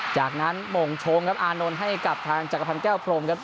จากนั้นหม่งชงครับอานนท์ให้กับทางจักรพันธ์แก้วพรมครับ